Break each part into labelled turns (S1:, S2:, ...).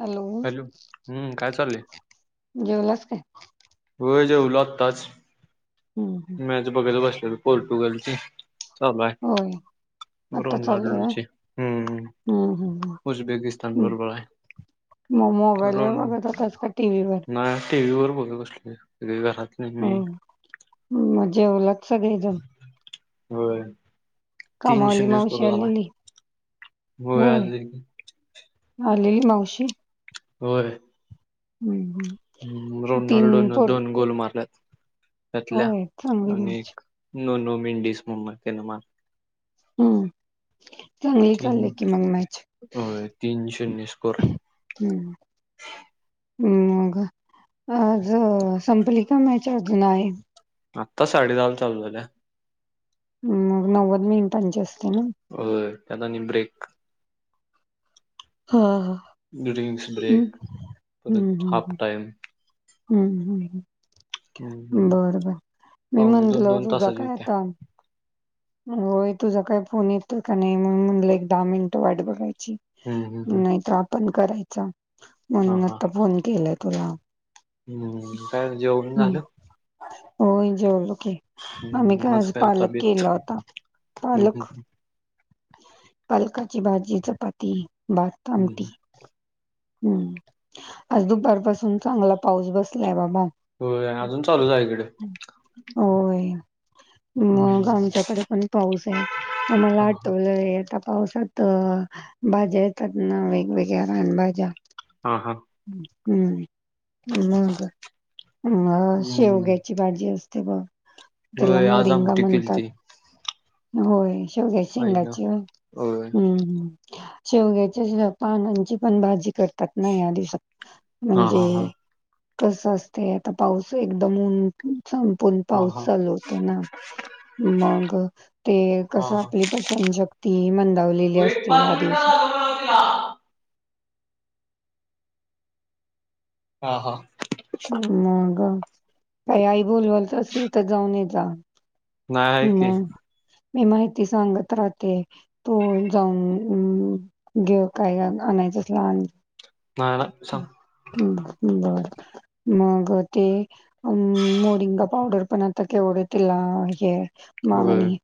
S1: Hello?
S2: हम्म, काय चाललय?
S1: जेवलस काय?
S2: होय, जेवलो आताच.
S1: हम्म, हम्म.
S2: मॅच बघतबसलेलो, पोर्टुगलच.
S1: होय, आता चालू आहे.
S2: रोनाल्डोची, हम्म,
S1: मग
S2: उझबेकिस्तान बरोबर आहे.
S1: मग, मोबाईल वर बघात होतास, कि टी व्ही वर.
S2: टी व्ही वर बघत बसलोय, सगळी घरातली,
S1: हम, म जेवल्यात सगळी जण,
S2: होय, तीन
S1: कामवाली
S2: शून्य
S1: मावशी
S2: स्कोर झालाय
S1: अलेली?
S2: होय, आलेली.
S1: आली मावशी.
S2: होय,
S1: हम्, हम्,
S2: हम, रोनाल्डो न दोन गोल मारल्यात, त्यातल्या,
S1: होय चांगली
S2: आणि
S1: मॅच
S2: एक नो, नो मिंडीसमम तन मारला.
S1: हम्, चांगली
S2: तीन
S1: चाल्या की मग मॅच,
S2: होय तीन शून्य स्कोर
S1: हम्म, हम, मग आज संपली का मॅच, अजून आहे.
S2: आत्ता, साडे दहाला चालू झालं.
S1: मग, नव्वद मिनीटाची, असत्या नव्ह.
S2: होय, त्यात आणि ब्रेक,
S1: हा, हा,
S2: डरिंंगस
S1: हम्म
S2: ब्रेक, परत
S1: हम्म
S2: हाफ टाइम,
S1: हम्म हम्,
S2: हम्म
S1: बर, बर मी
S2: पाहुणे दोन
S1: म्हनलो,
S2: दोन
S1: तुझा
S2: तासाची
S1: काय
S2: होत्या
S1: आता, होय, तुझा काय फोन येतोय का नाही. म्हणल एक दहा मिनिटं वाट बघायची,
S2: हम्म हम्म हम्म
S1: नाहीतर, आपण करायच
S2: हा
S1: म्हणून,
S2: हा
S1: आता फोन केलाय तुला.
S2: हम्म, काय जेवण
S1: हम्म.
S2: झालं?
S1: होय, जेवलोकी आम्ही काय, आज पालक केला होता,
S2: हम्म हम्म
S1: पालक. पालकाची, भाजी, चपाती, भात,
S2: हम्म
S1: आमटी,
S2: हम्म
S1: हम्म, आज दुपार पाासून चांगला पाऊस, बसलाय बाबा.
S2: हो, अजून चालूच आहे इकडे.
S1: होय, मग,
S2: हम्म
S1: आमच्याकडे पण पाऊस आहे, मग मला
S2: हा हा
S1: आठवलंय आता. पावसात, भाज्या येतात ना, वेगवेगळ्या रानभज्या
S2: हा हा.
S1: हम्म! मग अ
S2: हम्म
S1: शेवग्याची भाजी असते. ते बघ, त्याला
S2: होय आज
S1: मोरिंगा
S2: आमटी
S1: म्हणतात.
S2: केलती
S1: होय, शेवग्याच्या
S2: आईन
S1: शेंगांची,
S2: होय
S1: हम्म हम्म. शेवग्याच्या पानांची पण भाजी करतात ना, या दिवसात?
S2: हा हा हा
S1: म्हणजे कस असतय, आता पाऊस एकदम संपून
S2: हा हा
S1: पाऊस चालू होतोय ना, मग ते
S2: हा
S1: कसं
S2: हा
S1: आपली पचनशक्ती मंदावलेली
S2: तू एक
S1: असते,
S2: पाच
S1: या
S2: मिनिटात
S1: दिवसात.
S2: आलो म्हणाव तिला. हा हा.
S1: मग काही आई बोलवाल तस इथं जाऊन ये जा.
S2: नाही आहे की
S1: मग, मी माहिती सांगत राहते. तो जाऊन, अ घे काय आणायचं असल आण.
S2: नाही नाही सांग.
S1: हं बर, मग ते अ मोरिंगा पावडर पण आता केवढं तिला हे
S2: होय
S1: मागणी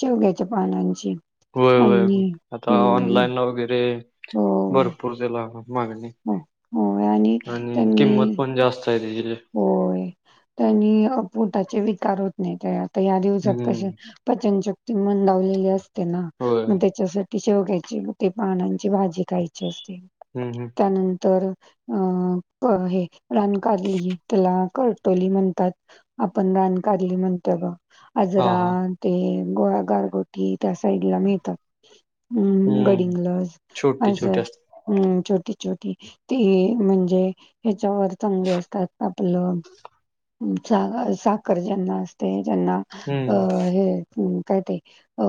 S1: शेवग्याच्या पानांची
S2: होय
S1: आणि
S2: होय, आता
S1: हम्म
S2: ऑनलाईनला वैगेरे,
S1: होय
S2: भरपूर तेला मागणी आहे.
S1: हो होय
S2: आणि
S1: त्यांनी
S2: किंमत पण जास्त आहे त्याची
S1: होय, त्यानी पोटाचे विकार होत नाही तयार. या दिवसात कशी,
S2: हम्म.
S1: पचनशक्ती मंदावलेली असते ना,
S2: होय.
S1: मग त्याच्यासाठी शेवग्याच्या त्या पानांची भाजी खायची असते.
S2: हं, हं.
S1: अ हे रानकारली त्याला करटोली म्हणतात, आपण रानकारली म्हणतो ग,
S2: हां, हां.
S1: आजरांत ते गोळा गार गुट त्या साईडला मिळतात,
S2: हं.
S1: गडिंगलज असं.
S2: छोटी-छोटी असतात.
S1: हं छोटी छोटी, ती म्हणजे याच्यावर चांगले असतात. आपलं, साखर ज्यांना असतय, त्यांना अ
S2: हं.
S1: हे, काय ते, अ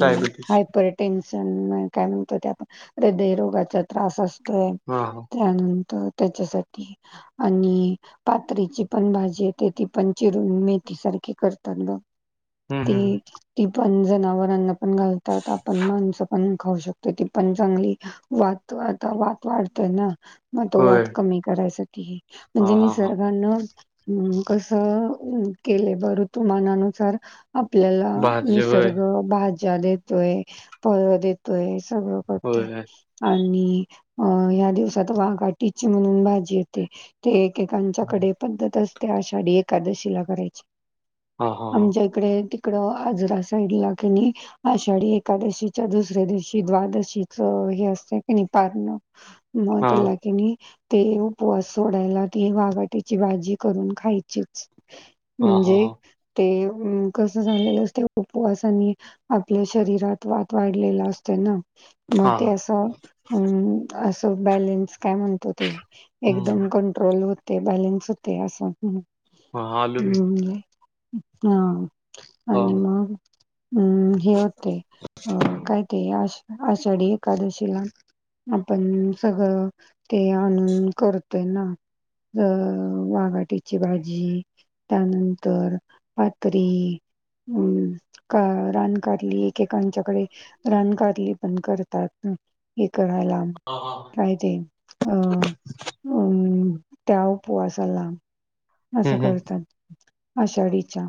S2: डायबिटीज.
S1: हायपर टेन्शन, काय म्हणतो ते आपण, हृदयरोगाचा त्रास असतोय.
S2: हां, हां.
S1: त्यानंतर, त्याच्यासाठी आणि कात्रीची पण भाजी येते, ती पण चिरून मेथी सारखी करतात बघ
S2: हं, हं, हं.
S1: ती, ती पण जनावरांना पण घालतात, आपण माणसं पण खाऊ शकतो. ती पण चांगली वात, आता वात वाढतेय ना. मग तो
S2: होय.
S1: वात कमी करायसाठी, म्हणजे
S2: हां,
S1: नि
S2: हां, हां.
S1: कस केलय बर तुमानानुसार आपल्याला
S2: भाजी होय.
S1: निसर्ग भाज्या देतोय, फळ देतोय, सगळं
S2: होय.
S1: ओके. आणि अ या दिवसात वाघा टिची म्हणून भाजी येते, ते त्यांच्या
S2: हं.
S1: कडे पद्धत असते, आषाढी एकादशीला करायची,
S2: हां, हां, हां.
S1: आमच्या इकडे तिकडं आजरा साईडला कि नी आषाढी एकादशीच्या दुसऱ्या दिवशी, द्वादशीच हे असतं की नि, पारण मग
S2: हां.
S1: तेला की नि, ते उपवास सोडायला ती वाघाटीची भाजी करून खायचीच.
S2: हां, हां,
S1: म्हणजे
S2: हां.
S1: ते कसं झालेलं असतय, उपवासानी आपल्या शरीरात वात वाढलेला असते ना मग ते
S2: हां.
S1: असं अ असं बॅलेन्स काय म्हणतो ते
S2: हं.
S1: एकदम क ट्रोल होते बॅलन्स होते अस
S2: हां, आलो मी.
S1: हम्म. हा
S2: हां.
S1: आणि मग हम्म हे होते अ काय ते आ आषाढी एकादशीला आपण सगळं ते आणून करतोय ना अ वाघाटीची भाजी त्यानंतर पातरी हम्म का रान कारली एकेकांच्याकडे रानकारली पण करतात हे करायला
S2: हां, हां.
S1: काय ते अ अम त्या उपवासाला असं
S2: हं, हं.
S1: करतात आषाढीच्या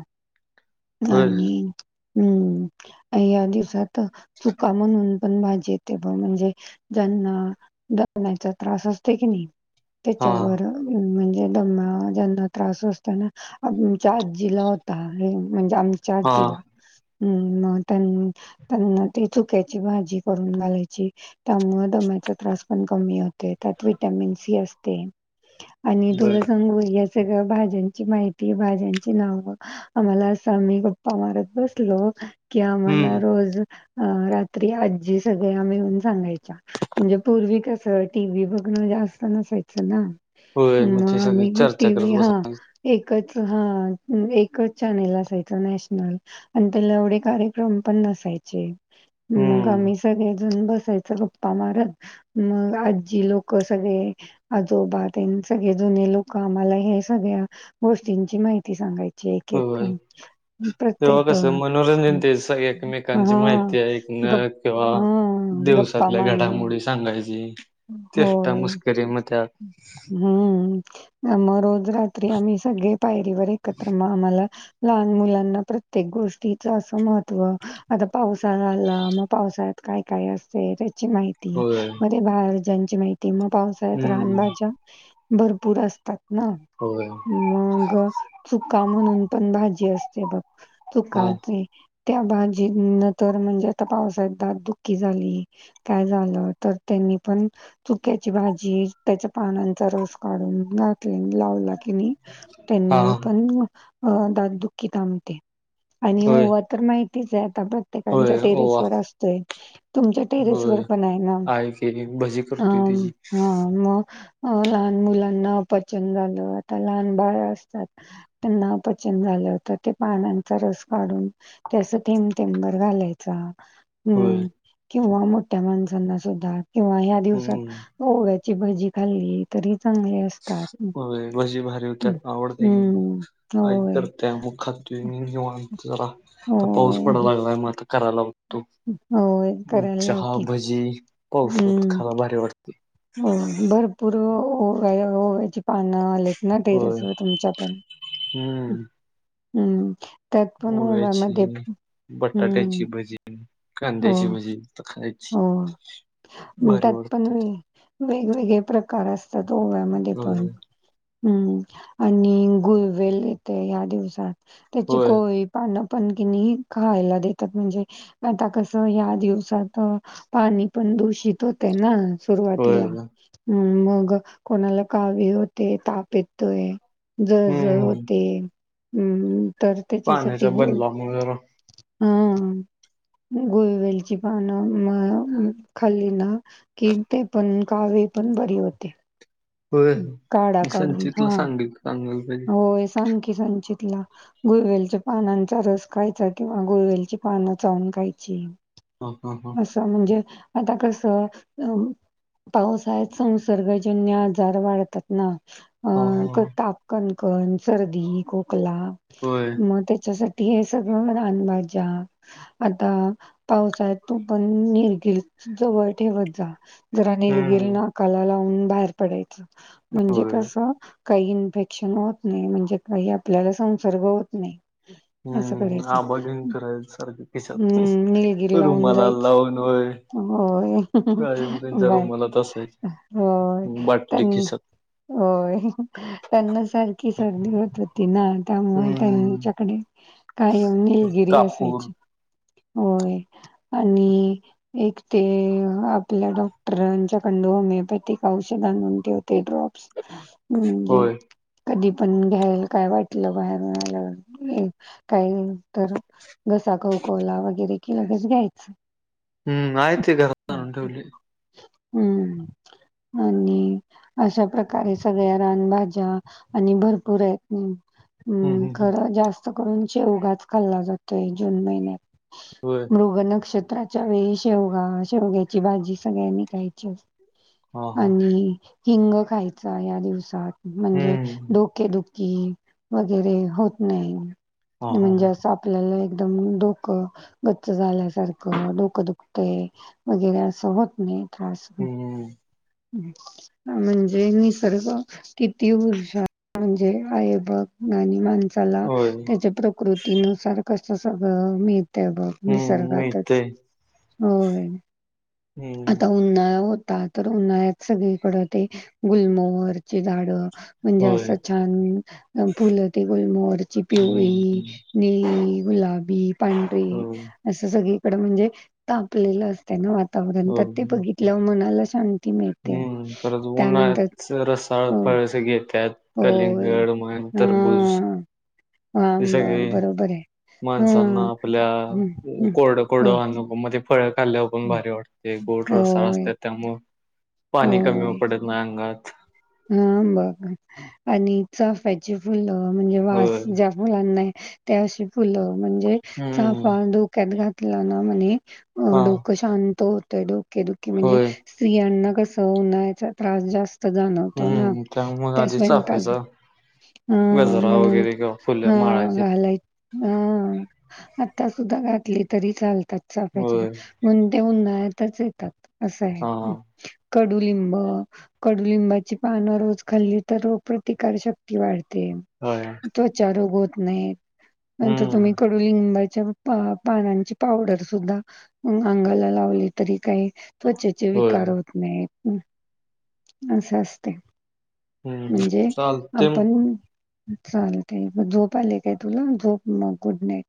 S2: होय.
S1: आणि हम्म या दिवसात चुका म्हणून पण भाजी येते पण म्हणजे ज्यांना दम्याचा त्रास असते की नाही त्याच्यावर
S2: हां,
S1: म्हणजे दमा ज्यांना त्रास असत ना आमचा आजीला होता हे म्हणजे आमच्या आजीला
S2: हां.
S1: हम्म मग त्यां त्यांना ती चुक्याची भाजी करून घालायची त्यामुळे दम्याचा त्रास पण कमी होते त्यात विटॅमिन सी असते. आणि तुला
S2: बरं.
S1: सांगू या सगळ्या भाज्यांची माहिती भाज्यांची नावं आम्हाला असा आम्ही गप्पा मारत बसलो कि आम्हाला
S2: हं.
S1: रोज अ रात्री आजी सगळ्या मिळून सांगायच्या म्हणजे पूर्वी कसं टी व्ही बघण जास्त नसायचं ना
S2: होय. मग ते
S1: म
S2: सगळी
S1: मी
S2: चर्चा
S1: टी
S2: करत
S1: व्हि
S2: बसा.
S1: हा एकच हा एकच चॅनेल असायचा नॅशनल आणि त्याला एवढे कार्यक्रम पण नसायचे मग
S2: हं.
S1: आम्ही सगळेजण बसायचं गप्प प्पा मारत मग आजी लोक सगळे आजोबा त्यानं सगळे जुने लोक आम्हाला हे सगळ्या गोष्टींची माहिती सांगायचे. म्हणजे
S2: होय.
S1: एकेक
S2: तेव्हा
S1: प्रत्येक
S2: कसं मनोरंजन ते स एकमेकांची
S1: हा
S2: माहिती
S1: ग
S2: ऐकणं किंवा दिवसातल्या घडामोडी सांगायची चेष्टा
S1: होय.
S2: मस्करी म त्यात
S1: हम्म [unintelligible] रात्री आम्ही सगळे पायरीवर एकत्र म आम्हाला लहान मुलांना प्रत्येक गोष्टीच असं महत्त्व आता पावसाळा आला मग पावसा त काय काय असते त्याची माहिती ती
S2: होय.
S1: म ते भाज्यांची माहिती मग पावसाळ्यात
S2: हम्म
S1: रानभाज्या भरपूर असतात ना.
S2: होय.
S1: मग चुका म्हणून पण भाजी असते बघ
S2: हा
S1: चुकाचे त्या भाजींना तर म्हणजे आता पावसाळ्यात दात दुःखी झाली काय झालं तर त्यांनी पण चुक्याची भाजी त्याच्या पानांचा रस काढून घात लावला की नाही
S2: हा
S1: त्यांनी पण म अ दात दुःखी थांबते आणि
S2: होय
S1: ओवा तर माहितीच आहे आता तर प्रत्येकाच्या
S2: होय
S1: टेरेस
S2: ओवा
S1: वर असतोय तुमच्या टेरेसवर
S2: होय.
S1: पण आहे ना
S2: आहे की भजी करतोय
S1: अम
S2: तिची
S1: हा मग लहान मुलांना अपचन झालं आता लहान बाळ असतात त्यांना अपचन झालं होतं ते पानांचा रस काढून ते अस थेंब थेंब भर घालायचा
S2: होय
S1: हम्म किंवा मोठ्या माणसांना सुद्धा किंवा ह्या दिवसात
S2: हम्म
S1: ओव्या ची भाजी खाल्ली तरी चांगली असं
S2: व्हयं भजी भारी होत्यात आवडते की
S1: हम्म
S2: आई
S1: होय.
S2: करत्यां मुखात. त घेऊन जरा आ पाऊस
S1: होय,
S2: पड
S1: हं,
S2: लागलाय मग आता करायला लागतो
S1: हं. होय
S2: मग
S1: करायला लाव
S2: चहा
S1: की
S2: भजी पावसात
S1: हम्म.
S2: खावा भारी वाटती.
S1: हो भरपूर ओव्या, ओव्याची पानं आलेत ना टेरेस वरं तुमच्या पण.
S2: हूं!
S1: हूं त्यात पण ओव्या मध्ये
S2: ओव्याची
S1: हूं.
S2: कांदयाची भजी तु खाय
S1: हो त्यात पण नी
S2: ते.
S1: वेगवेगळे प्रकार अस तात ओव्या मध्ये
S2: होय
S1: पण. हूं आणि गुळवेल येतय ह्या दिवसात त्याची
S2: होय
S1: कोवळी पानं पण किनी खायला देतात, म्हणजे आता कसं ह्या दिवसात. त पाणी पण दूषित होतय ना
S2: होय
S1: सुरुवातीला.
S2: होय.
S1: हूं मग कोणाला कावीळ होते ताप येतोय. जळ जळ
S2: हम्म
S1: होते हूं तर त्याच्यासाठी
S2: पाण्याच्या
S1: गुळ
S2: बदलामुळे जरा
S1: हा हा गूळवेलची पान नं म खाल्ली ना कि ते पण कावीळ पण बरी होते.
S2: होय
S1: काढा
S2: मी
S1: काढून
S2: संचितला
S1: हां.
S2: सांगेल सांगल ते.
S1: होय सांग की संचितला. गुळवेलच्या पानांचा रस खायचा, किंवा गुळवेलची पानं चावून खायची.
S2: हं हं हं!
S1: त म्हणजे आता कस अ पावसाळ्यात संसर्गजन्य आजार वाढतात ना.
S2: हा हा
S1: अं ताप कणकण सर्दी, खोकला.
S2: होय!
S1: मग त्याच्यासाठी हे सगळं म रान भाज्या. आता पावसाळ्यात तू पण निलगिरी, जवळ ठेवत ज जरा निलगिल
S2: हम्म
S1: नाकाला लावून बाहेर पडायचं म्हणजे
S2: होय
S1: कसं काही इन्फेक्ट क्शन होत नाही, म्हणजे काही आपल्याला संसर्ग होत नाही. असं
S2: हम्म
S1: करायचं
S2: आबा घेऊन फिरायच सारखं खिशात
S1: हूं निलगिरी लावून
S2: रुमाला
S1: जायच.
S2: लावून होय
S1: होय
S2: कायम त्यांच्या
S1: बर
S2: रुमालात असायची
S1: होय
S2: बाटली
S1: तनं.
S2: खिशात
S1: होय त्यांना सारखी सर्दी होत होती ना. त्यामुळ
S2: हम्म
S1: त्यांच्याकडे कायम निलगिरी
S2: कापूर
S1: असायची. होय आणि. एक ते आपल्या डॉक्टरांच्या कडन होमिओपॅथिक औषध आणून ठेवत होते ड्रॉप्स. हूं जे.
S2: होय
S1: कधी पण घ्यायल काय वाटलं बाहेरुन आल्यावर काय. तर घसा कवकवला वगैरे की लगेच घ्यायचं.
S2: हूं आहे ती घरात आणून ठेवली.
S1: हूं आणि अशा प्रकारे सगळ्या रानभा ज्या आणि भरपूर आहेत हूं
S2: हम्म
S1: हूं
S2: हम्म
S1: खर जास्त. करून शेवगाच खाल्ला जातोय जून महिन्यात.
S2: व्हयं!
S1: मृग नक्षत्राच्या वेळी शेवगा, शेवग्याची भाजी सगळ्यांनी खायची अस
S2: हां, हां.
S1: आणि हिंग खायचा या दिवसात म्हणजे.
S2: हम्म.
S1: डोकेदुखी वगैरे होत नाही.
S2: हां, हां,
S1: म्हणजे
S2: हां.
S1: अस आपल्याला एकदम डोकं गच्च झाल्यासारखं डोकं दुखतय. वगैरे असं होत नाही. त्रास,
S2: हम्म.
S1: म्हणजे निसर्ग. किती हुशार म्हणजे आहे बघ आणि माणसाला
S2: होय.
S1: त्याच्या प्रकृती तीनुसार कसं सगळं मिळतय बघ
S2: हम्म.
S1: निसर्गातच
S2: मिळतंय.
S1: हो,
S2: हम्म.
S1: आता उन्हाळ होतात. तर उन्हाळ्यात सगळीकड ते गुलमहरची झाड म्हणजे
S2: होय.
S1: असं छान, फुलं ते गुलमोहरची
S2: हम्म.
S1: पिवळी निळी, गुलाबी, पांढरी
S2: होय.
S1: असं सगळीकडे म्हणजे तापलेलं अस त्यान वातावरण त्य
S2: हम्म.
S1: बघितल्यावर मनाला शांती मिळते.
S2: हम्म, परत उन्हा
S1: त्यानंतर
S2: आहेत. रसाळ
S1: हो
S2: फळसे घेतात
S1: होय.
S2: कलिंगड, मंतरभुज.
S1: हम बघ, बरोबर आहे. हा.
S2: माणसांना आपल्या
S1: हम्म हम्म. हो
S2: कोडं-कोडं अनुभवमधे. फळ खाल्या वर पण
S1: हं.
S2: भारी वाटते, गोड रसा
S1: होय
S2: असतात त्यामुळं पाणी कमी
S1: होय.
S2: पडत नाही अंगात.
S1: हा बघ आणि चफ्याची फुलं म्हणजे
S2: होय.
S1: वास जा मुलांना त्या अशी फुलं म्हणजे,
S2: हम्म.
S1: चाफा डोक्यात घातला ना म्हणे अ
S2: हां.
S1: डोकं शांत होतंय, डोके दुखे म्हणजे
S2: होय.
S1: स्त्रियांना कसं उन्हाळ्याचा त्रास जास्त जाणं. ना
S2: हम्म. त्यामुळं
S1: त्या
S2: आधी
S1: स्वयंपाक
S2: चाफ्याचा
S1: हा
S2: गजरा
S1: म्हणून,
S2: वगैरे किंवा
S1: हा
S2: फुलं माळायची
S1: घालायच हा आता सुद्धा घातली तरी चालतात साफ्याची.
S2: होय.
S1: म्हणून ते उन्हाळ्यातच येतात असं
S2: हा
S1: आहे. कडुलिंब, कडुलिंबाची पानं रोज खाल्ली तर रोग प्रतिकार शक्ती वाढते.
S2: होय.
S1: त्वचा रोग होत नाहीत. नंतर
S2: हम्म
S1: तुम्ही कडु लिंबाच्या पा-पानांची पावडर सुद्धा अंगाला लावली तरी काय त्वचेत
S2: होय
S1: विकार होत नाही. असं असते.
S2: हम्म
S1: म्हणजे
S2: चालतंय म
S1: आपण चाल तय, झोप आली काय तुला झोप मग गुड नाईट.